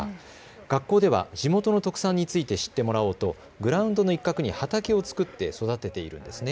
学校では地元の特産について知ってもらおうとグラウンドの一角に畑を作って育てているんです。